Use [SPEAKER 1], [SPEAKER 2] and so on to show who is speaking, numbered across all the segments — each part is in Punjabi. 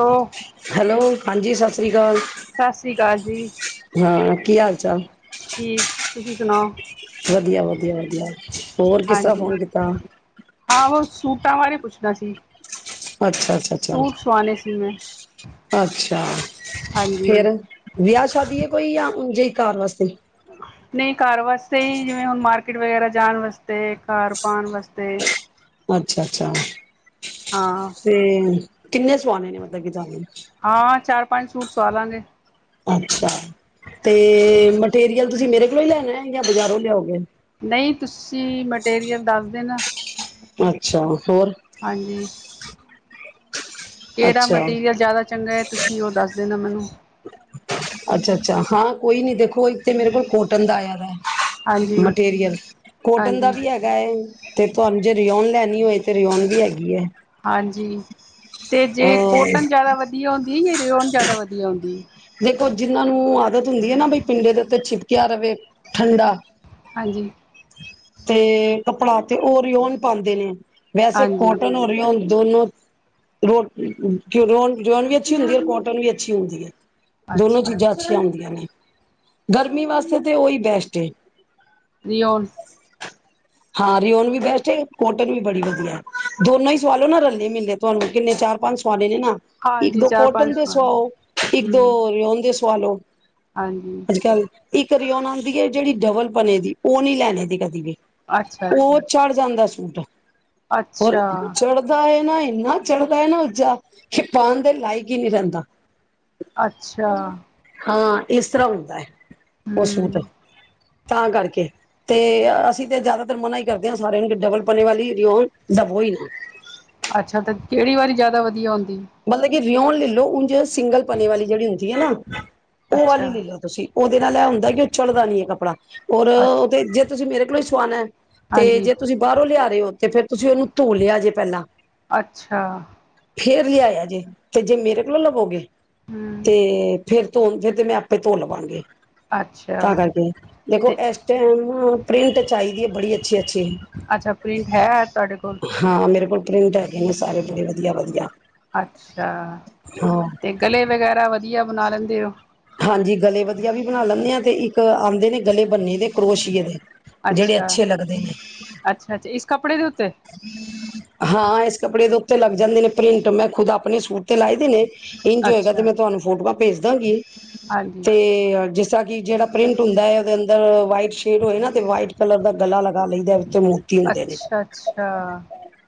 [SPEAKER 1] Hello
[SPEAKER 2] hello. ਹਾਂਜੀ ਸਤਿ ਸ਼੍ਰੀ ਅਕਾਲ।
[SPEAKER 1] ਸਤਿ ਸ੍ਰੀ ਅਕਾਲ ਜੀ
[SPEAKER 2] ਹਾਂ, ਕੀ ਹਾਲ ਚਾਲ
[SPEAKER 1] ਠੀਕ ਤੁਸੀਂ ਸੁਣਾਓ।
[SPEAKER 2] ਵਧੀਆ, ਵਧੀਆ, ਵਧੀਆ ਹੋਰ ਕਿਸ ਤਰ੍ਹਾਂ
[SPEAKER 1] ਹਾਂਜੀ
[SPEAKER 2] ਫੋਨ ਕੀਤਾ।
[SPEAKER 1] ਹਾਂ ਉਹ ਸੂਟਾਂ ਬਾਰੇ ਪੁੱਛਣਾ ਸੀ।
[SPEAKER 2] ਅੱਛਾ ਅੱਛਾ ਅੱਛਾ
[SPEAKER 1] ਸੂਟ ਸੁਆਣੇ ਸੀ ਮੈਂ।
[SPEAKER 2] ਅੱਛਾ।
[SPEAKER 1] ਹਾਂਜੀ
[SPEAKER 2] ਫੇਰ ਵਿਆਹ ਸ਼ਾਦੀ ਹੈ ਕੋਈ ਆ ਉਜੇ ਈ ਘਰ ਵਾਸਤੇ
[SPEAKER 1] ਨਹੀਂ ਘਰ ਵਾਸਤੇ ਹੀ ਜਿਵੇਂ ਹੁਣ ਮਾਰਕੀਟ ਵਗੈਰਾ ਜਾਣ ਵਾਸਤੇ ਘਰ ਪਾਉਣ ਵਾਸਤੇ।
[SPEAKER 2] ਅੱਛਾ, ਅੱਛਾ, ਅੱਛਾ
[SPEAKER 1] ਹਾਂ
[SPEAKER 2] ਤੇ ਕਿੰਨੇ ਸੁਆਣੇ ਨੇ ਮਤਲਬ ਕਿ ਜਾਦੇ ਣੇ
[SPEAKER 1] ਹਾਂ, ਚਾਰ ਪੰਜ ਸੂਟ ਸਵਾ ਲਾਂਗੇ।
[SPEAKER 2] ਅੱਛਾ। ਤੇ ਮਟੀਰੀਅਲ ਤੁਸੀਂ ਮੇਰੇ ਮੇਕੋ ਹੀ ਲੈਣਾ ਹੈ ਜਾਂ ਬਾਜ਼ਾਰੋਂ ਲਿਆਓਗੇ।
[SPEAKER 1] ਨਹੀਂ ਤੁਸੀਂ ਮਟੀਰੀਅਲ ਦੱਸ ਦੇ ਨਾ
[SPEAKER 2] ਅੱਛਾ। ਹੋਰ
[SPEAKER 1] ਹਾਂਜੀ। ਕਿਹੜਾ
[SPEAKER 2] ਅੱਛਾ
[SPEAKER 1] ਮਟੀਰੀਅਲ ਜ਼ਿਆਦਾ ਚੰਗਾ ਹੈਤੁਸੀਂ ਉਹ ਦੱਸ ਦੇਣਾ ਮੈਨੂੰ
[SPEAKER 2] ਅੱਛਾ, ਅੱਛਾ ਹਾਂ ਕੋਈ ਨੀ ਦੇਖੋ ਇੱਕ ਤੇ ਮੇਰੇ ਕੋਲ ਕੋਟਣ ਆ ਯਾਰ [unintelligible]
[SPEAKER 1] ਹਾਂਜੀ
[SPEAKER 2] ਮਟੀਰੀਅਲ ਕੋਟਨ ਦਾ
[SPEAKER 1] ਹਾਂਜੀ
[SPEAKER 2] ਵੀ ਹੈਗਾ ਹੈ। ਤੇ ਤੁਹਾਨੂੰ ਜੇ ਰਿਹਾਉਣ ਲੈਣੀ ਹੋਏ ਤੇ ਰਿਹਾਉਣ ਵੀ ਹੈਗੀ ਹੈ।
[SPEAKER 1] ਹਾਂਜੀ। ਤੇ ਜੇ
[SPEAKER 2] ਅ
[SPEAKER 1] ਕੋਟਨ ਜਿਆਦਾ ਵਧੀਆ ਹੁੰਦੀ ਰਿਓਨ ਜਿਆਦਾ ਵਧੀਆ ਹੁੰਦੀ ਹੈ।
[SPEAKER 2] ਦੇਖੋ ਜਿਹਨਾਂ ਨੂੰ ਆਦਤ ਹੁੰਦੀ ਹੈ ਨਾ ਬਈ ਪਿੰਡੇ ਦੇ ਉੱਤੇ ਚਿਪਕਆ ਰਹੇ ਠੰਡਾ
[SPEAKER 1] ਹਾਂਜੀ।
[SPEAKER 2] ਤੇ ਕੱਪੜਾ ਤੇ ਓ ਰੀਓਨ ਪਾਉਂਦੇ ਨੇ ਵੈਸੇ
[SPEAKER 1] ਹਾਂਜੀ
[SPEAKER 2] ਕੋਟਨ ਹੋ ਰਹੀ ਦੋਨੋ ਰੋ ਰੋ ਰਿਓਂਣ ਵੀ ਅੱਛੀ ਹੁੰਦੀ ਹੈ ਕੋਟਨ ਵੀ ਅੱਛੀ ਹੁੰਦੀ ਹੈ ਦੋਨੋ
[SPEAKER 1] ਅੱਛਾ
[SPEAKER 2] ਚੀਜ਼ਾਂ ਅੱਛੀਆਂ ਹੁੰਦੀਆਂ ਨੇ ਗਰਮੀ ਵਾਸਤੇ ਤੇ ਉਹੀ ਬੈਸਟ ਏ
[SPEAKER 1] ਰਓਨ
[SPEAKER 2] ਹਾਂ ਰਓਨ ਵੀ ਬੈਸਟ ਕੋਟਨ ਵੀ ਬੜੀ ਵਧੀਆ ਹੈ ਦੋਨੋ ਹੀ ਸਵਾਲੋ ਨਾ ਰੇ ਮਿਲੇ ਤੁਹਾਨੂੰ ਕਿੰਨੇ ਚਾਰ ਪੰਜ ਸਵਾਲ ਡੇ ਨੇ ਨਾ ਇੱਕ
[SPEAKER 1] ਹਾਂਜੀ
[SPEAKER 2] ਦੋ
[SPEAKER 1] ਚਾਰ
[SPEAKER 2] ਕੋਟਨ
[SPEAKER 1] ਪੰਜ
[SPEAKER 2] ਤੇ
[SPEAKER 1] ਸਵਾਣੇ
[SPEAKER 2] ਸੁਆਓ ਇੱਕ
[SPEAKER 1] ਹੂੰ
[SPEAKER 2] [unintelligible] ਸੋ [unintelligible] [unintelligible]
[SPEAKER 1] ਹਾਂਜੀ
[SPEAKER 2] ਇੱਕ ਰਓਨ ਆਉਂਦੀ ਹੈ ਜਿਹੜੀ ਡਬਲ [unintelligible] [unintelligible] ਦੀ ਉਹ ਨੀ ਲੈਣੇ ਦੀ ਕਦੀ ਵੀ
[SPEAKER 1] ਅੱਛਾ,
[SPEAKER 2] ਉਹ
[SPEAKER 1] ਅੱਛਾ,
[SPEAKER 2] ਚੜ੍ਹ ਜਾਂਦਾ ਸੀ [inaudible] ਔਰ
[SPEAKER 1] ਅੱਛਾ,
[SPEAKER 2] ਚੜਦਾ ਇੰਨਾ ਚੜ੍ਹਦਾ ਹੈ ਨਾ ਉਚਾ ਕਿ ਪਾਉਣ ਦੇ ਲਾਇਕ ਹੀ ਨਹੀਂ ਰਹਿੰਦਾ
[SPEAKER 1] ਅੱਛਾ
[SPEAKER 2] ਹਾਂ ਇਸ ਤਰ੍ਹਾਂ ਹੁੰਦਾ ਹੈ ਉਸਨੂੰ ਤੇ
[SPEAKER 1] ਹੂੰ
[SPEAKER 2] ਤਾਂ ਕਰਕੇ ਤੇ ਅਸੀਂ ਤੇ ਜ਼ਿਆਦਾਤਰ ਮਨਾ ਹੀ ਕਰਦੇ ਹਾਂ ਸਾਰਿਆਂ ਨੂੰ ਡਬਲ ਪਨੇ ਵਾਲੀ ਉਹ ਦਬੋ ਹੀ ਨਾ [unintelligible]
[SPEAKER 1] ਅੱਛਾ ਤੇ ਕਿਹੜੀ ਵਾਲੀ ਜ਼ਿਆਦਾ ਵਧੀਆ ਹੁੰਦੀ
[SPEAKER 2] ਮਤਲਬ ਕਿ ਰਿਉਣ ਲੈ ਲੋ ਉਝ ਸਿੰਗਲ ਪਣੇ ਵਾਲੀ ਜਿਹੜੀ ਹੁੰਦੀ ਠੀਕ ਹੈ ਨਾ ਉਹ ਵਾਲ ਹੀ
[SPEAKER 1] ਅੱਛਾ,
[SPEAKER 2] ਲੈ ਲਓ ਤੁਸੀਂ ਉਹਦੇ ਨਾਲ ਇਹ ਹੁੰਦਾ ਕਿ [unintelligible] ਚੜਦਾ ਨੀ ਹੈ ਕੱਪੜਾ ਔਰ ਉਹ
[SPEAKER 1] ਅੱਛਾ
[SPEAKER 2] ਤੇ ਜੇ ਤੁਸੀਂ ਮੇਰੇ ਕੋਲੋਂ ਹੀ ਸਵਾਣਾ ਤੇ
[SPEAKER 1] ਹਾਂਜੀ
[SPEAKER 2] ਜੇ ਤੁਸੀਂ ਬਾਹਰੋਂ ਲਿਆ ਰਹੇ ਹੋ ਤੇ ਫੇਰ ਤੁਸੀਂ ਉਹਨੂੰ ਧੋ ਲਿਆ ਜੇ ਪਹਿਲਾਂ
[SPEAKER 1] ਅੱਛਾ
[SPEAKER 2] ਫੇ [unintelligible] ਰ ਆਏ ਜੇ ਤੇ ਜੇ ਮੇਰੇ ਕੋਲੋਂ ਲਵੋਗੇ [unintelligible]
[SPEAKER 1] ਹੂੰ
[SPEAKER 2] ਤੇ ਫਿਰ ਧੋ ਫਿਰ ਤੇ ਮੈਂ ਆਪੇ ਧੋ ਲਵਾਂਗੇ
[SPEAKER 1] ਅੱਛਾ
[SPEAKER 2] ਤਾਂ ਕਰਕੇ ਦੇਖੋ
[SPEAKER 1] ਤੇ
[SPEAKER 2] ਇਸ ਟਾਈਮ ਪ੍ਰਿੰਟ ਚਾਹੀਦੀ ਹੈ ਬੜੀ ਅੱਛੀ ਅੱਛੀ
[SPEAKER 1] ਅੱਛਾ ਪ੍ਰਿੰਟ ਹੈ ਤੁਹਾਡੇ ਕੋਲ?
[SPEAKER 2] ਹਾਂ ਮੇਰੇ ਕੋਲ ਪ੍ਰਿੰਟ ਹੈਗੇ ਨੇ ਸਾਰੇ ਬੜੇ ਵਧੀਆ ਵਧੀਆ
[SPEAKER 1] ਅੱਛਾ
[SPEAKER 2] ਹਾਂ
[SPEAKER 1] ਤੇ ਗਲੇ ਵਗੈਰਾ ਵਧੀਆ ਬਣਾ ਲੈਂਦੇ [unintelligible]
[SPEAKER 2] ਹਾਂਜੀ ਗਲੇ ਵਧੀਆ ਵੀ ਬਣਾ ਲੈਂਦੇ ਹਾਂ ਤੇ ਇੱਕ ਆਉਂਦੇ ਨੇ ਗਲੇ ਬੰਨੇ ਦੇ ਕਰੋਸ਼ੀਏ ਦੇ ਜਿਹੜੇ ਅੱਛੇ ਲੱਗਦੇ ਨੇ
[SPEAKER 1] ਅੱਛਾ-ਅੱਛਾ-ਅੱਛਾ ਇਸ ਕੱਪੜੇ ਦੇ ਉੱਤੇ,
[SPEAKER 2] ਹਾਂ, ਇਸ ਕੱਪੜੇ ਦੇ ਉੱਤੇ ਲੱਗ ਜਾਂਦੇ ਨੇ ਪ੍ਰਿੰਟ ਮੈਂ ਖੁਦ ਆਪਣੇ ਸੂਟ ਤੇ ਲਾਈ ਦੇ ਨੇ ਇੰਝ ਹੋਏਗਾ,
[SPEAKER 1] ਅੱਛਾ
[SPEAKER 2] ਤੇ ਮੈਂ ਤੁਹਾਨੂੰ ਸੁਟ ਦਾ, ਭੇਜਦਾ ਗੀ।
[SPEAKER 1] ਹਾਂਜੀ
[SPEAKER 2] ਤੇ ਜਿਸ, ਕਿ ਜਿਹੜਾ ਪ੍ਰਿੰਟ ਹੁੰਦਾ ਉਹਦੇ ਅੰਦਰ ਵਾਈਟ ਸ਼ੇਡ ਹੋਏ ਨਾ ਤੇ ਵਾਈਟ ਕਲਰ ਦਾ ਗਲਾ ਲਗਾ ਲਈਦਾ ਉਤੇ ਮੋਤੀ ਹੁੰਦੇ ਨੇ,
[SPEAKER 1] ਅੱਛਾ,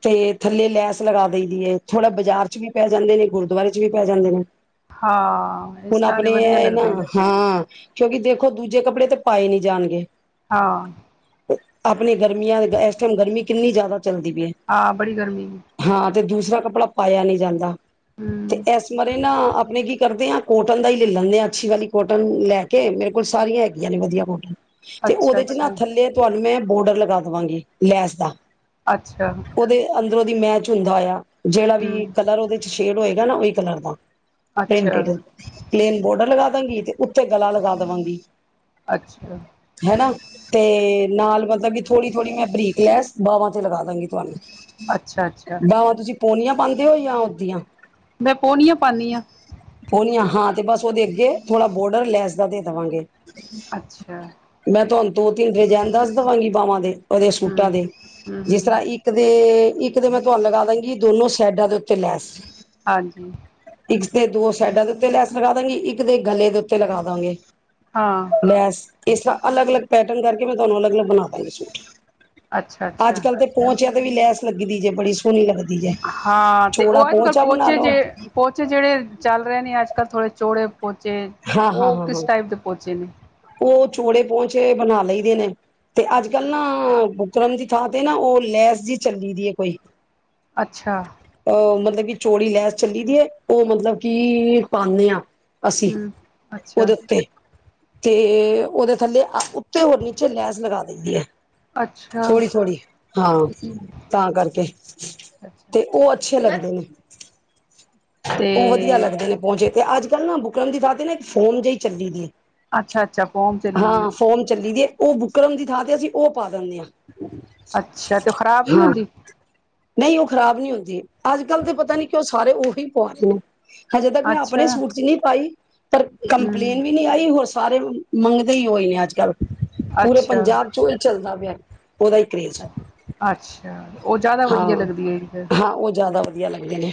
[SPEAKER 2] ਤੇ ਥੱਲੇ ਲੈਸ ਲਗਾ ਦੇ ਦੀ ਹੈ, ਥੋੜਾ ਬਾਜ਼ਾਰ ਚ ਵੀ ਪੈ ਜਾਂਦੇ ਨੇ ਗੁਰਦੁਆਰੇ ਚ ਵੀ ਪੈ ਜਾਂਦੇ ਨੇ।
[SPEAKER 1] ਹਾਂ ਇਸ
[SPEAKER 2] ਹੁਣ
[SPEAKER 1] ਤਰ੍ਹਾਂ ਦੇ
[SPEAKER 2] ਆਪਣੇ
[SPEAKER 1] ਵਧੀਆ
[SPEAKER 2] ਨਾ
[SPEAKER 1] ਲੱਗਦੇ ਨੇ
[SPEAKER 2] ਹਾਂ। ਕਿਉਂਕਿ ਦੇਖੋ ਦੂਜੇ ਕੱਪੜੇ ਤੇ ਪਾਏ ਨੀ ਜਾਣਗੇ।
[SPEAKER 1] ਹਾਂ,
[SPEAKER 2] ਆਪਣੀ ਗਰਮੀਆਂ ਇਸ ਟਾਈਮ ਗਰਮੀ, ਕਿੰਨੀ ਜ਼ਿਆਦਾ ਚੱਲਦੀ ਪਈ ਹੈ
[SPEAKER 1] ਹਾਂ ਬੜੀ ਗਰਮੀ ਸੀ।
[SPEAKER 2] ਹਾਂ ਤੇ ਦੂਸਰਾ ਕੱਪੜਾ ਪਾਇਆ ਨੀ ਜਾਂਦਾ। ਤੇ
[SPEAKER 1] ਹੂੰ
[SPEAKER 2] ਇਸ ਬਾਰੇ ਨਾ ਆਪਣੇ ਕੀ ਕਰਦੇ ਐ। ਕੋਟਨ ਦਾ ਹੀ ਲੈ ਲੈਂਦੇ, ਹਾਂ ਅੱਛੀ ਵਾਲੀ ਕੋਟਨ ਲੈ ਕੇ ਮੇਰੇ ਕੋਲ ਸਾਰੀਆਂ ਹੈਗੀਆਂ ਨੇ ਵਧੀਆ ਕੋਟਨ ਤੇ ਉਹਦੇ ਚ ਨਾ
[SPEAKER 1] ਅੱਛਾ-ਅੱਛਾ
[SPEAKER 2] ਥੱਲੇ ਤੁਹਾਨੂੰ ਮੈਂ, ਬੋਰਡਰ ਲਗਾ ਦੇਵਾਂਗੇ, ਲੈਸ ਦਾ
[SPEAKER 1] ਅੱਛਾ,
[SPEAKER 2] ਜਿਧਰੋਂ ਦੀ ਮੈਚ ਹੁੰਦਾ ਹੋਇਆ। ਜਿਹੜਾ ਵੀ ਕਲਰ ਉਹਦੇ ਚ ਸ਼ੇਡ ਹੋਏਗਾ, ਨਾ ਉਹੀ ਕਲਰ ਦਾ ਪ ਪਲੇਨ ਬੋਰਡਰ ਲਗਾ। ਉੱਤੇ ਗਲਾ ਲਗਾ ਦੇਵਾਂਗੀ।
[SPEAKER 1] ਅੱਛਾ,
[SPEAKER 2] ਹਨਾ ਤੇ ਨਾਲ ਮਤਲਬ ਕਿ ਥੋੜ੍ਹੀ-ਥੋੜ੍ਹੀ ਮੈਂ ਬਰੀਕ ਲਿਆ। ਬਾਾਹਵਾਂ ਤੇ ਲਗਾ ਦਾਂਗੇ ਤੁਹਾਨੂੰ,
[SPEAKER 1] ਅੱਛਾ-ਅੱਛਾ,
[SPEAKER 2] ਬਾਹਵਾਂ ਤੁਸੀਂ ਪੋਨੀਆਂ ਪਾਦੇ ਔ ਜਾ ਅੱਦੀਆਂ।
[SPEAKER 1] ਮੈਂ ਪੋਹਣੀਆਂ ਪਾਨੀ ਆ।
[SPEAKER 2] ਪੋਨੀਆਂ ਹਾਂ ਤੇ ਬਸ ਉਹਦੇ ਅੱਗੇ ਥੋੜ੍ਹਾ ਬੋਰਡਰ ਲੈਸ ਦਾ ਦੇ ਦੇਵਾਂਗੇ।
[SPEAKER 1] ਅੱਛਾ
[SPEAKER 2] ਮੈਂ ਤੁਹ ਦੋ ਤਿੰਨ ਡਿਜੈਨ ਦੱਸ ਦੇਵਾਂਗੀ ਬਾਹਵਾਂ ਦੇ ਉਹਦੇ ਸੂਟਾਂ
[SPEAKER 1] ਹੂੰ
[SPEAKER 2] ਦੇ।
[SPEAKER 1] ਹੂੰ-ਹੂੰ
[SPEAKER 2] ਜਿਸ ਤਰ੍ਹਾਂ ਇੱਕ ਦੇ ਇੱਕ ਤਾਂ ਮੈਂ ਤੁਹਾਨੂੰ ਲਗਾ ਦਾਂਗੀ ਦੋਨੋ ਸਾਈਡਾਂ ਦੇ ਉੱਤੇ ਲੈਸ।
[SPEAKER 1] ਹਾਂਜੀ।
[SPEAKER 2] ਇੱਕ ਤੇ ਦੋ ਸਾਈਡਾਂ ਦੇ ਉੱਤੇ ਲੈਸ ਲਗਾ ਦਾਗੀ ਇੱਕ ਦੇ ਗਲੇ ਦੇ ਉੱਤੇ ਲਗਾ ਦਾਗੇ।
[SPEAKER 1] ਹਾਂ
[SPEAKER 2] ਲੈਸ। ਇਸਰ੍ਹਾਂ ਅਲਗ-ਅਲਗ ਪੈਟਰਨ ਕਰਕੇ ਮੈਂ ਤੁਹਾਨੂੰ ਅਲੱਗ -ਅਲਗ ਬਣਾ ਦਾਂਗੀ ਸੂਟ।
[SPEAKER 1] ਅੱਛਾ-ਅੱਛਾ
[SPEAKER 2] ਅੱਜ ਕੱਲ ਤੇ ਪਹੁੰਚਿਆ ਤੇ ਵੀ ਲੈਸ ਲੱਗੀਦੀ ਜੇ ਬੜੀ ਸੋਹਣੀ ਲੱਗਦੀ ਜੇ
[SPEAKER 1] ਹਾਂ ਤੇ
[SPEAKER 2] ਚੌੜਾ
[SPEAKER 1] ਉਹ ਅੱਜ ਕੱਲ੍ਹ
[SPEAKER 2] ਪਹੁੰਚਾ ਬਣਾ
[SPEAKER 1] ਪੋਚੇ
[SPEAKER 2] ਲੋ
[SPEAKER 1] ਜੇ ਪੋਚੇ ਜਿਹੜੇ ਚੱਲ ਰਹੇ ਨੇ ਅੱਜ ਥੋੜੇ ਚੋੜੇ ਪੋਚੇ
[SPEAKER 2] ਹਾਂ ਹਾਂ
[SPEAKER 1] ਉਹ
[SPEAKER 2] ਹਾਂ ਹਾਂ
[SPEAKER 1] ਕਿਸ ਟਾਈਪ ਦੇ ਪੋਚੇ ਨੇ।
[SPEAKER 2] ਉਹ ਚੋੜੇ ਪੋਚੇ ਬਣਾ ਲਈ ਦੇਨੇ ਤੇ ਅੱਜ ਕੱਲ੍ਹ ਨਾ ਬੁਕਰਮ ਦੀ ਥਾਂ ਤੇ ਨਾ ਉਹ ਲੈਸ ਜਿਹੀ ਚੱਲੀ ਦੀ ਹੈ ਕੋਈ।
[SPEAKER 1] ਅੱਛਾ।
[SPEAKER 2] ਮਤਲਬ ਕਿ ਚੋੜੀ ਲੈਸ ਚੱਲੀ ਦੀ ਏ ਉਹ ਮਤਲਬ ਕੀ ਪਾਨੇ ਆ। ਅੱਸੀ
[SPEAKER 1] ਹਮ ਅੱਛਾ
[SPEAKER 2] ਉਦੇ ਉਤੇ। ਤੇ ਉਹਦੇ ਥੱਲੇ ਹੋਰ ਨੀਚੇ ਲੈਸ ਲਗਾ ਦਿੰਨੀ ਆ
[SPEAKER 1] ਅੱਛਾ ਅੱਛਾ
[SPEAKER 2] ਥੋੜ੍ਹੀ-ਥੋੜ੍ਹੀ ਹਾਂ ਤਾਂ ਕਰਕੇ
[SPEAKER 1] ਅੱਛਾ
[SPEAKER 2] ਤੇ ਉਹ ਅੱਛ ਛੇ ਲੱਗਦੇ ਨੇ।
[SPEAKER 1] ਤੇ
[SPEAKER 2] ਉਹ ਵਧੀਆ ਲੱਗਦੇ ਨੇ ਪਹੁੰਚੇ। ਤੇ ਅੱਜ ਕੱਲ੍ਹ ਨਾ ਬੁਕਲਮ ਦੀ ਥਾ ਤੇ ਨਾ ਇੱਕ ਫੋਨ ਜਿਹੀ ਚੱਲੀ ਦੀ ਏ।
[SPEAKER 1] ਅੱਛਾ-ਅੱਛਾ ਫੋਰਮ ਚਲੀ ਦੀਏ।
[SPEAKER 2] ਚੱਲੀ ਦੀ ਹੈ ਉਹ ਬੁਕਰਮ ਦੀ ਥਾਂ ਤੇ ਅਸੀਂ ਉਹ ਪਾ ਦਿੰਨੇ ਹਾਂ।
[SPEAKER 1] ਅੱਛਾ ਤੇ ਉਹ ਖਰਾਬ ਨੀ
[SPEAKER 2] ਹਾਂ
[SPEAKER 1] ਹੁੰਦੀ
[SPEAKER 2] ਨਹੀਂ ਉਹ ਖਰਾਬ ਨਹੀਂ ਹੁੰਦੀ ਅੱਜ ਕੱਲ੍ਹ ਤਾਂ ਪਤਾ ਨਹੀਂ ਕਿ ਉਹ ਸਾਰੇ ਉਹੀ [unintelligible] ਹਜੇ ਤੱਕ ਮੈਂ ਆਪਣੇ
[SPEAKER 1] ਅੱਛਾ
[SPEAKER 2] ਸੂਟ ਚ ਨਹੀਂ ਪਾਈ। ਪਰ
[SPEAKER 1] ਹਮ
[SPEAKER 2] ਕੰਪਲੇਨ ਵੀ ਨੀ ਆਈ ਹੋਰ ਸਾਰੇ ਮੰਗਦੇ ਹੀ ਹੋਏ ਨੇ ਅੱਜ ਕੱਲ੍ਹ ਪੂਰੇ
[SPEAKER 1] ਅੱਛਾ
[SPEAKER 2] ਪੰਜਾਬ ਚ ਉਹ ਹੀ ਚੱਲਦਾ ਪਿਆ। ਉਹਦਾ ਹੀ ਕਰੇਜ਼
[SPEAKER 1] ਅੱਛਾ ਉਹ ਜ਼ਿਆਦਾ
[SPEAKER 2] ਹਾਂ
[SPEAKER 1] ਵਧੀਆ ਲੱਗਦੀ ਹੋਏਗੀ ਫਿਰ।
[SPEAKER 2] ਹਾਂ ਉਹ ਜ਼ਿਆਦਾ ਵਧੀਆ ਲੱਗਦੇ ਨੇ।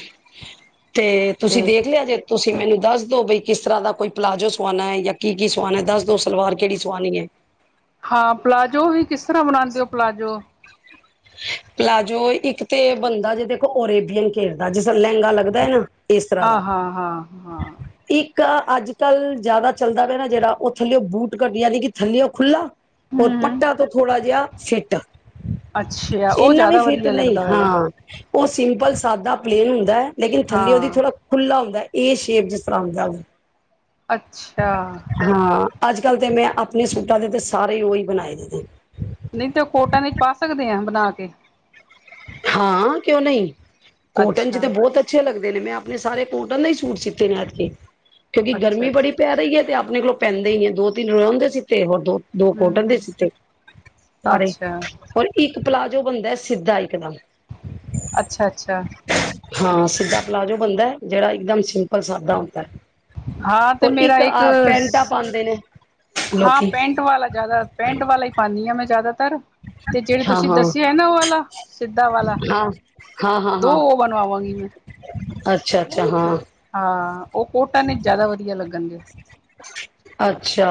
[SPEAKER 2] ਤੇ ਤੁਸੀਂ
[SPEAKER 1] ਤੇ
[SPEAKER 2] ਦੇਖ ਲਿਆ ਜੇ ਤੁਸੀਂ ਮੈਨੂੰ ਦੱਸ ਦੋ ਬਈ ਕਿਸ ਤਰ੍ਹਾਂ ਦਾ ਕੋਈ ਪਲਾਜੋ ਸਵਾਣਾ ਹੈ ਜਾਂ ਕੀ ਕੀ ਸਵਾਣਾ ਹੈ ਦੱਸ ਦੋ ਸਲਵਾਰ ਕਿਹੜੀ ਸਵਾਣੀ ਹੈ
[SPEAKER 1] ਹਾਂ ਪਲਾਜ਼ੋ ਵੀ ਕਿਸ ਤਰ੍ਹਾਂ ਬਣਾਉਂਦੇ ਹੋ ਪਲਾਜ਼ੋ
[SPEAKER 2] ਪਲਾਜੋ ਇੱਕ ਤੇ ਬਣਦਾ ਜੇ ਦੇਖੋ ਓਰੇਬੀਅਨ ਘੇਰਦਾ ਜਿਸ ਤਰਾਂ ਲਹਿੰਗਾ ਲਗਦਾ ਹਨੈਣਾ [unintelligible]
[SPEAKER 1] ਆਹ ਹਾਂ ਹਾਂ ਹਾਂ
[SPEAKER 2] ਇੱਕ ਅੱਜ ਕੱਲ੍ਹ ਜ਼ਿਆਦਾ ਚੱਲਦਾ ਪਿਆ ਨਾ ਜਿਹੜਾ ਉਹ ਥੱਲਿਉ ਉਹ ਬੂਟ ਕੱਟ ਯਾਨੀ ਕਿ ਥੱਲਿਓ ਖੁੱਲ੍ਹਾ ਹੋਰ
[SPEAKER 1] ਹਮ ਹਮ
[SPEAKER 2] ਪੱਟਾ ਤੋਂ ਥੋੜਾ ਜਿਹਾ ਸੇਟੈ
[SPEAKER 1] ਅੱਛਾ ਉਹ
[SPEAKER 2] ਇਨਾਂ ਵੀ
[SPEAKER 1] ਜ਼ਿਆਦਾ
[SPEAKER 2] ਫਿਟ
[SPEAKER 1] ਵਧੀਆ
[SPEAKER 2] ਨਹੀਂ
[SPEAKER 1] ਲੱਗਦਾ ਹੈਗਾ
[SPEAKER 2] ਹਾਂ ਉਹ ਸਿੰਪਲ ਸਾਦਾ ਪਲੇਨ ਹੁੰਦਾ ਹੈ ਲੇਕਿਨ ਥਲਿਉ ਦੀ
[SPEAKER 1] ਹਾਂ
[SPEAKER 2] ਥੋੜ੍ਹਾ ਖੁੱਲ੍ਹਾ ਹੁੰਦਾ ਹੈ ਇਹ ਸ਼ੇਪ ਜਿਸ ਤਰਾਂ [unintelligible]
[SPEAKER 1] ਅੱਛਾ
[SPEAKER 2] ਅੱਜ ਕੱਲ੍ਹ ਤਾਂ ਮੈਂ ਆਪਣੇ ਸੂਟਾਂ ਦੇ ਤਾਂ ਸਾਰੇ ਉਹ ਹੀ ਬਣਾਏ ਨੇ
[SPEAKER 1] ਨਹੀਂ ਤੇ ਉਹ ਕੋਟਾਂ ਨਹੀਂ ਪਾ ਸਕਦੇ ਆ ਬਣਾ ਕੇ
[SPEAKER 2] ਹਾਂ ਕਿਉਂ ਨਹੀਂ ਕੋਟਨ
[SPEAKER 1] ਅੱਛਾ
[SPEAKER 2] ਤੇ ਬਹੁਤ ਅੱਛੇ ਲੱਗਦੇ ਨੇ ਮੈਂ ਆਪਣੇ ਸਾਰੇ ਕੋਟਨ ਦਾ ਹੀ ਸੂਟ ਸਿਤੇ ਨੇ ਏਧਕੀ। ਕਿਉਂਕਿ
[SPEAKER 1] ਅੱਛਾ
[SPEAKER 2] ਗਰਮੀ ਬੜੀ
[SPEAKER 1] ਅੱਛਾ
[SPEAKER 2] ਪੈ ਰਹੀ ਹੈ ਤੇ ਆਪ ਆਪਣੇ ਕੋਲੋਂ ਪੈਂਦੇ ਹੀ ਨਹੀ ਤੇ ਦੋ ਤਿੰਨ ਰੇਯੋਣ ਦੇ ਸਿੱਤੇ ਦੋ ਕੋਟਨ ਦੇ
[SPEAKER 1] ਹਮ
[SPEAKER 2] ਸਿਤੇ ਸਾਰੇ
[SPEAKER 1] ਅੱਛਾ
[SPEAKER 2] ਔਰ ਇੱਕ ਪਲਾਜੋ ਬਣਦਾ ਸਿੱਧਾ ਇਕ ਦਮ
[SPEAKER 1] ਅੱਛਾ ਅੱਛਾ
[SPEAKER 2] ਹਾਂ ਸਿੱਧਾ ਪਲਾਜੋ ਬਣਦਾ ਜਿਹੜਾ ਇਕਦਮ ਸਿੰਪਲ ਸਾਦਾ ਹੁੰਦਾ
[SPEAKER 1] ਹਾਂ ਤੇ
[SPEAKER 2] ਔਰ
[SPEAKER 1] ਮੇਰਾ ਇੱਕ
[SPEAKER 2] ਆਹ ਪੈਂਟਾਂ ਪਾਉਂਦੇ ਨੇ
[SPEAKER 1] ਹਾਂ
[SPEAKER 2] ਲੋਕੀ
[SPEAKER 1] ਪੈਂਟ ਵਾਲਾ ਜ਼ਿਆਦਾ ਪੈਂਟ ਵਾਲਾ ਹੀ ਪਾਉਦੀ ਹਾਂ ਮੈਂ ਜ਼ਿਆਦਾ ਤੇ ਜਿਹੜੇ
[SPEAKER 2] ਹਾਂ
[SPEAKER 1] ਤੁਸੀਂ
[SPEAKER 2] ਹਾਂ
[SPEAKER 1] ਦੱਸਿਆ ਹੈ ਨਾ ਉਹ ਵਾਲਾ ਸਿੱਧਾ ਵਾਲਾ
[SPEAKER 2] ਹਾਂ ਹਾਂ ਹਾਂ
[SPEAKER 1] ਦੋ
[SPEAKER 2] ਹਾਂ
[SPEAKER 1] ਉਹ ਬਣਵਾਵਾਂਗੀ ਮੈਂ
[SPEAKER 2] ਅੱਛਾ ਅੱਛਾ ਹਾਂ
[SPEAKER 1] ਹਾਂ ਉਹ ਕੋਟਨ ਵਿੱਚ ਜ਼ਿਆਦਾ ਵਧੀਆ ਲੱਗਣ
[SPEAKER 2] ਅੱਛਾ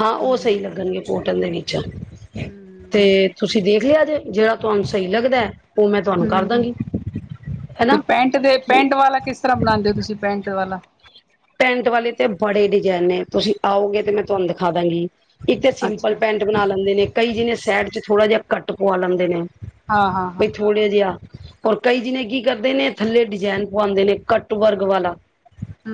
[SPEAKER 2] ਹਾਂ ਉਹ ਸਹੀ
[SPEAKER 1] ਹਮ
[SPEAKER 2] ਲੱਗਣਗੇ ਕੋਟਨ ਦੇ ਵਿੱਚ ਤੇ
[SPEAKER 1] ਹਮ
[SPEAKER 2] ਤੁਸੀਂ ਦੇਖ ਲਿਆ ਜੇ ਜਿਹੜਾ ਤੁਹਾਨੂੰ ਸਹੀ ਲੱਗਦਾ ਉਹ ਮੈਂ ਤੁਹਾਨੂੰ ਕਰ
[SPEAKER 1] ਹਮ
[SPEAKER 2] ਦਾਂਗੀ
[SPEAKER 1] ਤੇ
[SPEAKER 2] ਹੈਨਾ
[SPEAKER 1] ਪੈਂਟ ਦੇ ਪੈਂਟ ਵਾਲਾ ਕਿਸ ਤਰ੍ਹਾਂ ਬਣਾਉਦੇ ਹੋ ਤੁਸੀਂ ਪੈਂਟ ਵਾਲਾ!
[SPEAKER 2] ਪੈਂਟ ਵਾਲੇ ਤੇ ਬੜੇ ਡਿਜ਼ਾਇਨ ਨੇ ਤੁਸੀਂ ਆਉਗੇ ਤੇ ਮੈਂ ਤੁਹਾਨੂੰ ਦਿਖਾ ਦਾਂਗੀ ਇੱਕ ਤੇ ਸਿੰਪਲ
[SPEAKER 1] ਅੱਛਾ
[SPEAKER 2] ਪੈਂਟ ਬਣਾ ਲੈਂਦੇ ਨੇ ਕਈ ਜਿਹੇ ਸੈਡ ਚ, ਥੋੜਾ ਜਿਹਾ ਘੱਟ ਪਵਾ ਲੈਂਦੇ ਨੇ,
[SPEAKER 1] ਹਾਂ ਹਾਂ ਹਾਂ
[SPEAKER 2] ਬਈ ਥੋੜੇ ਜਿਹਾਂ। ਹੋਰ ਕਈ ਜਾਨੇ ਕੀ ਕਰਦੇਂ ਨੇਂ ਥੱਲੇ ਡਿਜ਼ਾਇਨ ਪਵਾਉਂਦੇ ਨੇਂ ਕੱਟ ਵਰਕ ਵਾਲਾਂ।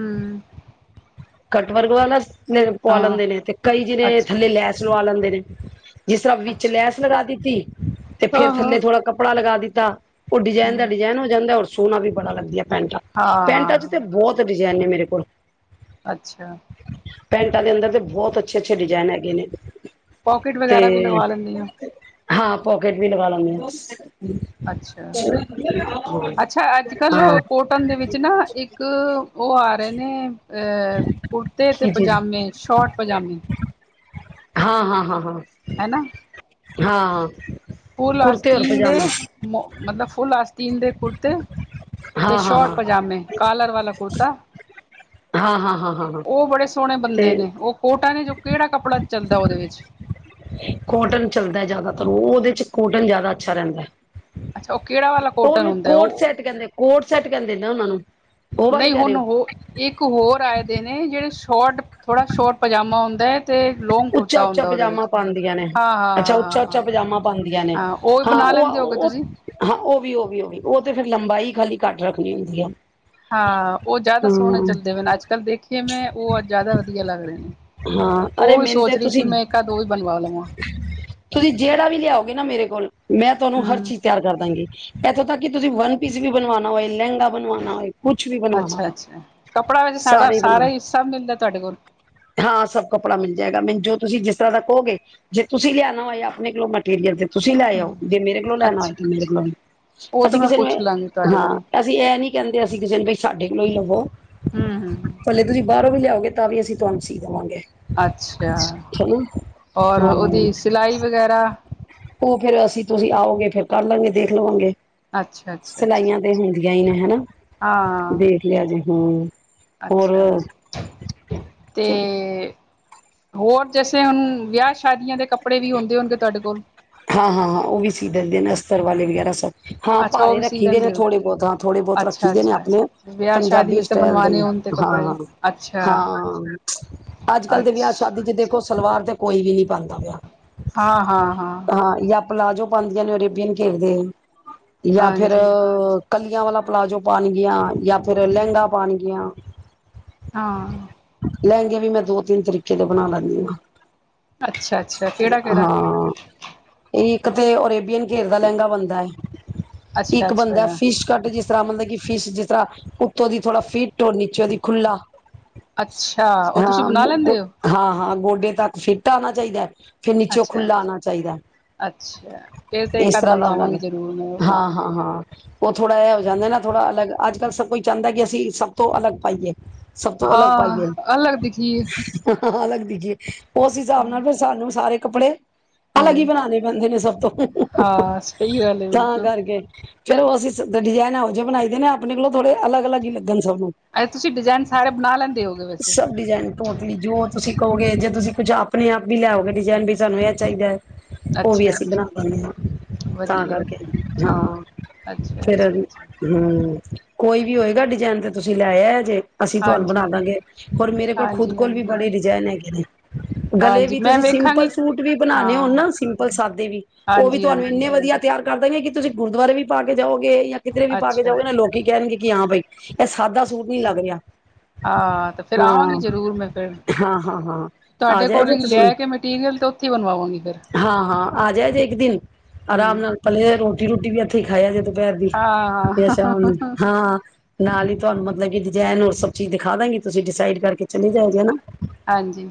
[SPEAKER 1] [inaudible]
[SPEAKER 2] ਕੱਟ ਵਰਗ ਵਾਲਾ। ਪਵਾ
[SPEAKER 1] ਹਾਂ
[SPEAKER 2] ਲੈਂਦੇ ਨੇਂ ਤੇ ਕਈ ਜਾਨੇ
[SPEAKER 1] ਅੱਛਾ
[SPEAKER 2] ਥੱਲੇ ਲੈਸ ਲਵਾਂ ਲੈਂਦੇ ਨੇਂ। [inaudible] ਜਿਸ ਤਰ੍ਹਾਂ ਵਿੱਚ
[SPEAKER 1] ਅੱਛਾ
[SPEAKER 2] ਲੈਸ ਲਗਾ ਦਿੱਤੀ। ਤੇ ਫਿਰ
[SPEAKER 1] ਹਾਂ ਹਾਂ
[SPEAKER 2] ਥੱਲੇ ਥੋੜਾਂ ਕੱਪੜਾਂ ਲਗਾਂ ਦਿੱਤਾਂ। ਦਾ। ਉਹ ਡਿਜ਼ਾਈਨ ਦਾ
[SPEAKER 1] ਹਮ
[SPEAKER 2] ਡਿਜ਼ਾਈਨ ਹੋ ਜਾਂਦਾ। ਸੋਨਾ ਵੀ ਬੜਾ ਲੱਗਿਆ ਪੈਂਟਾ।
[SPEAKER 1] ਹਾਂ ਹਾਂ
[SPEAKER 2] ਪੈਂਟਾ ਚ ਤੇ
[SPEAKER 1] ਹਾਂ
[SPEAKER 2] ਬਹੁਤ ਡਜ- ਡਿਜ਼ਾਈਨ ਨੇਂ ਮੇਰੇ ਕੋਲ। [inaudible]
[SPEAKER 1] ਅੱਛਾ।
[SPEAKER 2] ਪੈਂਟਾਂ ਦੇ ਅੰਦਰ ਤੇ ਬਹੁਤ ਅੱਛੇ ਅੱਛੇ ਡਿਜ਼ਾਈਨ ਹੈਗੇ ਨੇਂ।
[SPEAKER 1] ਪੋਕਟ ਵਗੈਰਾ ਵੀ ਲਗਵਾ ਲੈਂਦੇਂ ਹਾਂ।
[SPEAKER 2] ਹਾਂ ਪੋਕੇਟ ਵੀ ਲਗਾਂ ਲੇਂਦੇ।
[SPEAKER 1] ਅੱਛਾ ਅੱਛਾ ਅੱਜ਼
[SPEAKER 2] ਆ
[SPEAKER 1] ਕੱਲ੍ਹ
[SPEAKER 2] ਹਾਂ
[SPEAKER 1] ਉਹ ਕੋਟਨ ਦੇ ਵਿੱਚ ਨਾਂ ਇੱਕ। ਉਹ ਆ ਰਹੇ ਨੇ। ਏ ਕੁੜਤੇ ਤੇ
[SPEAKER 2] ਜੀ ਜੀ
[SPEAKER 1] ਪਜਾਮੇ ਛੋਟ ਪਜਾਮੇ
[SPEAKER 2] ਹਾਂ ਹਾਂ ਹਾਂ ਹਾਂ।
[SPEAKER 1] ਹੈ ਨਾਂ।
[SPEAKER 2] ਹਾਂ ਹਾਂ।
[SPEAKER 1] ਫੁੱਲ ਆਸਤੀਨ ਦੇ ਮੱਤਲਬ ਫੁੱਲ ਆਸਤੀਨ ਦੇ ਕੁੜਤੇ ਤੇ
[SPEAKER 2] ਹਾਂ ਹਾਂ
[SPEAKER 1] ਛੋਟ
[SPEAKER 2] ਹਾਂ
[SPEAKER 1] ਪਜ਼ਾਮੇ ਕਾਲਰ ਵਾਲਾਂ ਕੁੜਤਾ।
[SPEAKER 2] ਹਾਂ ਹਾਂ ਹਾਂ ਹਾਂ ਹਾ
[SPEAKER 1] ਆਪਣੇ ਬਣਦੇ ਨੇਂ ਉਹ ਕੋਟਨ ਜੋ ਕਿਹੜਾ ਕੱਪੜਾ ਚੱਲਦਾ ਉਹਦੇ ਵਿੱਚ।
[SPEAKER 2] ਕੋਟਨ ਚੱਲਦਾ ਜ਼ਿਆਦਾਤਰ ਉਹ ਉਹਦੇ ਕੋਟਨ ਜ਼ਿਆਦਾ ਅੱਛਾ ਰਹਿੰਦਾ ਹੈ।
[SPEAKER 1] ਅੱਛਾ ਉਹ ਕਿਹੜਾ ਵਾਲਾ ਕੋਟਨ
[SPEAKER 2] ਉਹਨੂੰ
[SPEAKER 1] ਹੁੰਦਾ
[SPEAKER 2] ਕੋਟ
[SPEAKER 1] ਉਹ
[SPEAKER 2] ਸੈਂਟ ਕਹਿੰਦੇ। ਕੋਟ ਸੈਂਟ ਕਹਿੰਦੇ ਨਾਂ ਉਹਨਾਂ ਨੂੰ। ਉਹ ਵਾਲੇ
[SPEAKER 1] ਨਹੀਂ
[SPEAKER 2] ਕਹਿ ਰਹੇ ਹੋ
[SPEAKER 1] ਉਹਨੂੰ ੲੌ ਇੱਕ ਹੋਰ ਆਏਂ ਦੇ ਨੇਂ ਜਿਹੜੇ ਸ਼ੋਟ। ਥੋੜਾਂ ਸ਼ੋਟ ਪਜ਼ਾਮਾ ਹੁੰਦਾਂ [inaudible]
[SPEAKER 2] ਉੱਚਾ-ਉੱਚਾ ਪਜਾਮਾ ਪਾਂਦੀਆਂ ਨੇਂ।
[SPEAKER 1] ਹਾਂ ਹਾਂ
[SPEAKER 2] ਅੱਛਾ
[SPEAKER 1] ਹਾਂ ਹਾਂ
[SPEAKER 2] ਉੱਚਾ-ਉੱਚਾ
[SPEAKER 1] ਹਾਂ
[SPEAKER 2] ਪਜਾਮਾ ਪਾਂਦੀਆਂ ਨੇਂ,
[SPEAKER 1] ਉਹ
[SPEAKER 2] ਹਾਂ
[SPEAKER 1] ਬਣਾ
[SPEAKER 2] ਓ
[SPEAKER 1] ਲੈਂਦੇ ਹੋਗੇ ਤੁਸੀਂ?
[SPEAKER 2] ਹਾਂ ਓ ਵੀ ਓ ਵੀ ਤੇ ਫ਼ਿਰ ਲੰਬਾਈ- ਖਾਲੀ ਘੱਟ ਰੱਖਣੀ ਹੁੰਦੀ ਐ।
[SPEAKER 1] ਹਾਂ, ਓ ਜਾਅਦਾ ਸੋਣੇ ਚੱਲਦੇ ਪਏ ਨੇ, ਅੱਜ ਕੱਲ੍ਹ ਦੇਖੇ ਮੈਂ ਓ ਜਾਅਦਾ ਵਧੀਆ ਲੱਗ ਰੇ ਨੇ
[SPEAKER 2] ਹਾਂ ਅਰੇ
[SPEAKER 1] ਉਹ ਵੀ
[SPEAKER 2] ਮੇਨੂੰ ਤੇ
[SPEAKER 1] ਸੋਚ ਰਹੀ
[SPEAKER 2] ਤੁਸੀਂ,
[SPEAKER 1] ਸੀ ਮੈਂ ਇੱਕ ਆਧ ਉਹ ਵੀ ਬਣਵਾ ਲਵਾਂ
[SPEAKER 2] ਤੁਸੀਂ ਜੇੜਾ ਵੀ ਲੇਆਓਗੇ ਨਾ ਮੇਰੇ ਕੋਲ, ਮੈਂ ਤੋਨੂੰ ਹਰ
[SPEAKER 1] ਹੂੰ
[SPEAKER 2] ਚੀਜ ਤੇਆਰ ਕਰ ਦਾਂਗੀ। ਐਥੋਂ ਤੱਕ ਕਿ ਤੁਸੀਂ ਵੰਨ ਪੀਸ ਵੀ ਬਣਵਾਣਾ ਹੋਏ, ਲੈਂਅਗਾ ਬਣਵਾਣਾ ਹੋਏ। ਕੁਛ ਵੀ ਬਣਵਾਣਾ ਹੋਏ
[SPEAKER 1] ਅੱਛਾ-ਅੱਛਾ, ਕੱਪੜਾ ਵਿੱਚ
[SPEAKER 2] ਸਾਰੇ ਹੀ ਬਣਾ
[SPEAKER 1] ਸਾੜਾ-ਸਾਰਾ ਈ ਸਭ ਮਿਲਦਾ ਤੁਆਡੇ ਕੋਲ?
[SPEAKER 2] ਹਾਂ ਸਭ ਕੱਪੜਾ ਮਿਲ ਜਾਏਗਾ, ਮੇਂਨ ਜੋ ਤੁਸੀਂ ਜਿਸ ਤਰ੍ਹਾਂ ਦਾ ਕੋਅਗੇ, ਜੇ ਤੁਸੀਂ ਲਿਆਣਾ ਹੋਏ ਆਪਣੇ ਕੋਲੋ ਮਟੀਰੀਅਲ ਤੇ ਤੁਸੀਂ ਲੈ ਆਓ,
[SPEAKER 1] ਹੂੰ
[SPEAKER 2] ਜੇ ਮੇਰੇ ਕੋਲੋਂ ਲੈਣਾ ਹੋਏ
[SPEAKER 1] ਅੱਛਾ।
[SPEAKER 2] ਤਾਂ ਮੇਰੇ ਕੋਲੋਂ ਵੀ।
[SPEAKER 1] ਉਹ ਤਾਂ
[SPEAKER 2] ਅਸੀਂ
[SPEAKER 1] ਮੈਂ
[SPEAKER 2] ਕਿਸੇ ਨੇ,
[SPEAKER 1] ਪੁੱਛ ਲਾਂਗੀ ਤੁਹਾਡੇ
[SPEAKER 2] ਹਾਂ
[SPEAKER 1] ਕੋਲੋਂ
[SPEAKER 2] ਅਸੀਂ ਐ ਨੀ ਕੈਂਅਦੇ, ਅਸੀਂ ਕਿਸੇ ਨੂੰ ਵੀ ਸਾਡੇ ਲੋਈ ਲਵੋ
[SPEAKER 1] ਹੂੰ-ਹੂੰ
[SPEAKER 2] ਭਲੇ ਤੁਹੀਂ ਬਾਅਰੋਂ ਵੀ ਲੇਆਓਗੇ ਤਾਂ ਵੀ ਅਸੀਂ ਤੁਆਨੂੰ ਸੀ ਦਵਾਂਗੇ।
[SPEAKER 1] ਅੱਛਾ, ਔਰ ਓਦੀ ਸਿਲਾਈ ਵਗੈਰਾ?
[SPEAKER 2] ਉ ਫੇਰ ਅਸੀਂ ਤੁਸੀਂ ਆਓਗੇ, ਫੇਰ ਕਰ ਲਾਂਗੇ, ਦੇਖ ਲਵਾਂਗੇ।
[SPEAKER 1] ਅੱਛਾ-ਅੱਛਾ-ਅੱਛਾ।
[SPEAKER 2] ਐਂਈ ਨੇ ਹਨਾ?
[SPEAKER 1] ਆਂ,
[SPEAKER 2] ਦੇਖ ਲਿਆ ਜੇ ਹੂੰ ਹੋਰ
[SPEAKER 1] ਅੱਛਾ, ਤੇ ਹੋਰ ਜੈਸੇ ਹੁਣ ਵਿਆਹ ਸ਼ਾਦੀਆਂ ਦੇ ਕੱਪ ਕੱਪੜੇ ਵੀ ਹੋਂਂਦੇ ਹੋਣਗੇ, ਤੁਹਾਡੇ ਕੋਲ
[SPEAKER 2] ਹਾਂ-ਹਾਂ-ਹਾਂ ਓਹ ਵੀ ਸੀ, ਦਿੰਦੇ ਨੇ ਅਸਤਰ ਵਾਲੇ ਗੈਰਾ ਸੋ ਹਾਂ ਭਾਰੇ ਰੱਖੀ ਦੇ ਨੇ ਥੋੜੇ ਬਹੁਤ ਹਾਂ ਥੋੜੇ ਬਹੁਤ ਰੱਖੀ ਦੇ ਨੇ ਆਪਣੇ ਪੰਜਾਬੀ ਸਟਾਈਲ ਦੇ
[SPEAKER 1] ਕੱਪੜੇ ਅੱਛਾ
[SPEAKER 2] ਹਾਂ-ਹਾਂ-ਹਾਂ, ਅੱਜ ਕੱਲ ਦੇ
[SPEAKER 1] ਅੱਛ
[SPEAKER 2] ਵਿਆਹ ਸ਼ਾਦੀ ਚ ਦੇਖੋ, ਸਲਵਾਰ ਦੇ ਕੋਈ ਵੀ ਨਹੀ ਪਾਂਦਾ ਪਿਆ।
[SPEAKER 1] ਹਾਂ-ਹਾਂ-ਹਾਂ।
[SPEAKER 2] ਹਾਂ, ਜਾਂ ਪਲਾਜੋ ਪਾਦੀਆਂ ਨੇ ਰੇਬੀਅਨ ਘੇਰਦੇ। ਜਾਂ ਫਿਰ,
[SPEAKER 1] ਹਾਂਜੀ
[SPEAKER 2] ਕੱਲੀਆਂ ਵਾਲਾ ਪਲਾਜੋ ਪਾਉਣਗੀਆਂ, ਜਾਂ ਫਿਰ ਲਹਿੰਗਾ ਪਾਉਣਗੀਆਂ
[SPEAKER 1] ਹਾਂ
[SPEAKER 2] ਲਹਿਂਗੇ ਵੀ ਮੈਂ ਦੋ ਤਿੰਨ ਤਰੀਕੇ ਕਿਤੇ ਬਣਾ ਲੈਂਦੀ
[SPEAKER 1] ਅੱਛਾ ਅੱਛਾ ਕਿਹੜਾ ਕਿਹੜਾ
[SPEAKER 2] ਹਾਂ-ਹਾਂ। ਇੱਕ ਤੇ ਰੇ ਬਿਨ ਘੇਰ ਦਾ ਲਹਿੰਗਾ ਬਣਦਾ ਹੈ,
[SPEAKER 1] ਅੱਛਾ
[SPEAKER 2] ਇੱਕ ਬੰਦਾ
[SPEAKER 1] ਅੱਛਾ
[SPEAKER 2] ਫਿਸ਼ ਕੱਟ ਜਿਸ ਤਰ੍ਹਾਂ ਮਤਲਬ ਕਿ ਫਸ਼ ਜਿਸ ਤਰ੍ਹਾਂ ਉੱਤੋਂ ਦੀ ਥੋੜਾ ਫਿਟ ਹੋਰ ਨੀਚੌ ਦੀ ਖੁੱਲਾ
[SPEAKER 1] ਅੱਛਾ, ਓ ਤੁਸੀਂ ਬਣਾ ਲੈਂਦੇ ਹੋ।
[SPEAKER 2] ਡੇ ਤੱਕ ਫਿੱਟ ਆਣਾ ਚਾਹੀਦਾ ਹੈ। ਫੇਰ ਨੀਚੋਂ
[SPEAKER 1] ਅੱਛਾ
[SPEAKER 2] ਖੁੱਲਾ ਆਣਾ ਚਾਹੀਦਾ।
[SPEAKER 1] ਅੱਛਾ। ਫਿਰ ਤੇ,
[SPEAKER 2] ਇਸ
[SPEAKER 1] ਏਕਾਦ
[SPEAKER 2] ਤਰ੍ਹਾਂ ਦਾ ਉਹਨਾਂ
[SPEAKER 1] ਬਣਵਾਵਾਂਗੇ
[SPEAKER 2] ਨੇ
[SPEAKER 1] ਜਰੂਰ ਮੈਂ ਉਹ ਵੀ
[SPEAKER 2] ਹਾਂ ਹਾਂ ਹਾਂ ਉਹ ਥੋੜਾ ਇਹ ਹੋ ਜਾਂਦਾ ਨਾ ਥੋੜਾ ਅਲੱਗ, ਅੱਜ- ਕੱਲ ਸਬ ਕੋਈ ਚਾਹੁੰਦਾ ਕਿ, ਅਸੀਂ ਸਭ ਤੋਂ ਅਲੱਗ ਪਾਈਏ। ਸਭ ਤੋਂ
[SPEAKER 1] ਹਾਂ, ਅਲੱਗ ਦਿਖੀਏ।
[SPEAKER 2] ਹਾਂ, ਅਲੱਗ ਦਿਖੀਏ। ਉਸ ਹਿਸਾਬ
[SPEAKER 1] ਹਾਂ
[SPEAKER 2] ਨਾਲ ਫੇਰ ਸਾਨੂੰ ਸਾਰੇ ਕੱਪੜੇ ਅਲਗ ਹੀ
[SPEAKER 1] ਹਮ
[SPEAKER 2] ਬਣਾਂਨੇ ਪੈਂਦੇ ਨੇ, ਸਭ ਤੋਂ, ਹੰ- ਹੰ -ਹੰ-
[SPEAKER 1] ਹਾਂ ਸਹੀ
[SPEAKER 2] ਹੰ
[SPEAKER 1] ਗੱਲ ਹੈ
[SPEAKER 2] ਤਾਂ
[SPEAKER 1] ਬਿਲਕੁਲ
[SPEAKER 2] ਕਰਕੇ। ਚਲੋ ਅਸੀਂ ਸਬ ਡਿਜ਼ਾਇਨ ਇਹੋ ਜਿਹੇ ਬਣਾਈਦੇ ਨੇ ਆਪਣੇ ਕੋਲੋਂ, ਥੋੜੇ ਅੱਲਗ, -ਅਲੱਗ ਹੀ ਲੱਗ ਕਨ ਸਭ ਨੂੰ
[SPEAKER 1] ਅ ਤੁਸੀਂ ਡਿਜ਼ਾਇਨ ਸਾਰੇ ਬਣਾ ਲੈਂਦੇ ਹੋਗੇ
[SPEAKER 2] ਸ
[SPEAKER 1] ਵੈਸੇ
[SPEAKER 2] ਸਭ ਡਿਜ਼ਾਇਨ ਟੋਟਲੀ ਜੋ ਤੁਸੀਂ ਕਹੋਗੇ, ਜੇ ਤੁਸੀਂ ਕੁੱਝ ਆਪਣੇ ਆਪ ਵੀ ਲਿਆਓਗੇ ਡਿਜ਼ਾਇਨ ਵੀ, ਸਾਨੂੰ ਇਹ ਚਾਹੀਦਾ ਏ। ਉਹ ਵੀ,
[SPEAKER 1] ਅੱਛਾ
[SPEAKER 2] ਅਸੀਂ ਬਣਾ ਪਾਂਨੇ ਆ, ਤਾਂ
[SPEAKER 1] ਵਧੀਆ
[SPEAKER 2] ਕਰਕੇ
[SPEAKER 1] ਠੀਕ
[SPEAKER 2] ਹਾਂ
[SPEAKER 1] ਅੱਛਾ
[SPEAKER 2] ਫਿਰ
[SPEAKER 1] ਅੱਛਾ
[SPEAKER 2] ਹੰ
[SPEAKER 1] ਅੱਛਾ
[SPEAKER 2] ਕੋਈ ਵੀ ਹੋਏਗਾ, ਡਿਜਾਇਨ ਤੇ ਤੁਸੀਂ ਲੈਯਾਏ ਜੇ ਅਸੀਂ ਤੁਹਾਨੂੰ
[SPEAKER 1] ਹਾਂਜੀ
[SPEAKER 2] ਬਣਾ ਦਾਂਗੇ, ਹੋਰ ਮੇਰੇ ਕੋਲ ਖੁਦ
[SPEAKER 1] ਹਾਂਜੀ
[SPEAKER 2] ਕੋਲ ਵੀ
[SPEAKER 1] ਹਾਂਜੀ
[SPEAKER 2] ਬੜੇ ਡਿਜ਼ਾਇਨ ਹੈਗੇ ਨੇ, ਗਲੇ
[SPEAKER 1] ਹਾਂਜੀ
[SPEAKER 2] ਵੀ
[SPEAKER 1] ਮੈਂ
[SPEAKER 2] ਤੁਸੀਂ ਸਿੰਪਲ
[SPEAKER 1] ਵੇਖਾਂਗੀ
[SPEAKER 2] ਸੂਟ ਵੀ ਬਣਾ ਨਹੀਂ ਹੁਣ
[SPEAKER 1] ਹਾਂ
[SPEAKER 2] ਨਾ ਸਿੰਪਲ ਸਾਦੇ ਵੀ ਉਹ ਵੀ
[SPEAKER 1] ਹਾਂਜੀ
[SPEAKER 2] ਤੁਹਾਨੂੰ,
[SPEAKER 1] ਹਾਂਜੀ
[SPEAKER 2] ਇੰਨੇ ਵਧੀਆ ਤਿਆਰ ਕਰ ਦਾਂਗੇ ਕਿ, ਤੁਸੀਂ ਗੁਰਦੁਆਰੇ ਵੀ ਪਾ ਕੇ ਜਾਓ ਗੇ ਜਾਂ ਕਿਧਰੇ ਵੀ ਪਾ ਕੇ
[SPEAKER 1] ਅੱਛਾ
[SPEAKER 2] ਜਾਓਗੇ, ਨਾ ਲੋਕੀ ਕਹਿਣਗੇ ਕਿ, ਹਾਂ ਬਈ। ਇਹ ਸਾਦਾ ਸੂਟ ਨੀ ਲੱਗ ਰਿਹਾ।
[SPEAKER 1] ਹਾਂ, ਤੇ ਫਿਰ ਆਵਾਂਗੀ
[SPEAKER 2] ਹਾਂ
[SPEAKER 1] ਜ਼ਰੂਰ ਮੈਂ ਫਿਰ,
[SPEAKER 2] ਹਾਂ ਹਾਂ ਹਾਂ ਆ
[SPEAKER 1] ਤੁਹਾਡੇ ਕੋਲ ਹੀ ਲੈ ਕੇ ਮਟੀਰੀਅਲ ਤੇ ਉੱਥੇ ਬਣਵਾਵਾਂ,
[SPEAKER 2] ਹਾਂ-ਹਾਂ ਆ ਜਾਇ ਜੇ ਇੱਕ ਦਿਨ ਆਰਾਮ
[SPEAKER 1] ਹਮ
[SPEAKER 2] ਨਾਲ ਪਲੇ ਰੋਟੀ- ਰੋਟੀ ਵੀ ਸਿਖਾਇਆ ਜਦੋਂ ਦੁਪੈਹਰ ਦੀ
[SPEAKER 1] ਹਾਂ
[SPEAKER 2] ਯਾਂ ਸਾ਼ਮ ਨੂੰ,
[SPEAKER 1] ਹਾਂ
[SPEAKER 2] ਹਾਂ ਨਾਲ ਹੀ, ਤੁਹਾਨੂੰ ਮਤਲਬ ਕਿ, ਡਿਜ਼ਾਇਨ ਹੋਰ ਸਬ ਚੀਜ਼ ਦਿਖਾਦਾਂਗੀ ਤੁਸੀਂ ਡਿਸਾਈਡ ਕਰਕੇ ਚੁਨੀ ਜਾਏ ਜੇ ਹੈਨਾ
[SPEAKER 1] ਹਾਂਜੀ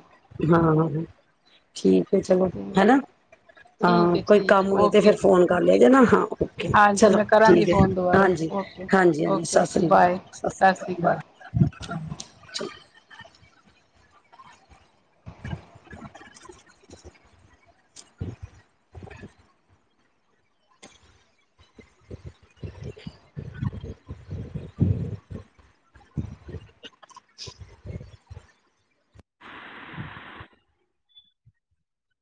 [SPEAKER 2] ਹਾਂ ਠੀਕ ਹੈ ਜੀ।
[SPEAKER 1] ਤੇ
[SPEAKER 2] ਹੈਨਾ
[SPEAKER 1] ਠੀਕ
[SPEAKER 2] ਹਾਂ
[SPEAKER 1] ਹੈ
[SPEAKER 2] ਕੋਈ
[SPEAKER 1] ਠੀਕ
[SPEAKER 2] ਕੰਮ ਹੋਏ ਤੇ,
[SPEAKER 1] ਓਕੇ
[SPEAKER 2] ਫਿਰ ਫੋਨ ਕਰ ਲੇਜੇ ਨਾ ਹਾਂ, ਓਕੇ
[SPEAKER 1] ਹਾਂਜੀ
[SPEAKER 2] ਚਲੋ
[SPEAKER 1] ਮੈਂ ਕਰਾਂਗੀ
[SPEAKER 2] ਠੀਕ ਹੈ,
[SPEAKER 1] ਫੋਨ ਦੁਬਾਰਾ
[SPEAKER 2] ਹਾਂਜੀ-
[SPEAKER 1] ਓਕੇ
[SPEAKER 2] ਹਾਂਜੀ ਹਾਂਜੀ।
[SPEAKER 1] ਓਕੇ
[SPEAKER 2] ਸਤਿ
[SPEAKER 1] ਓਕੇ
[SPEAKER 2] ਸ੍ਰੀ ਅਕਾਲ।
[SPEAKER 1] ਬਾਏ
[SPEAKER 2] ਸਤਿ ਸ੍ਰੀ
[SPEAKER 1] ਸ਼੍ਰੀ
[SPEAKER 2] ਅਕਾਲ। ਵ [unintelligible] [unintelligible] [unintelligible]